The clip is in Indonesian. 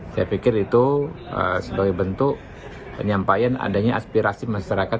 saya pikir itu sebagai bentuk penyampaian adanya aspirasi masyarakat